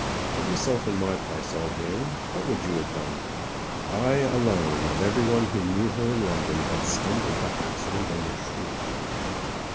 Put yourself in my place, old man ; what would you have done ? I, alone, of everyone who knew her in London, had stumbled by accident on the truth.